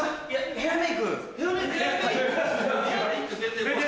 ヘアメイク？